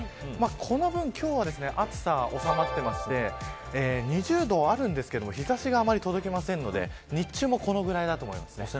この分、今日は暑さは収まっていまして２０度あるんですけど日差しがあまり届かないので日中はこれぐらいかなと思います。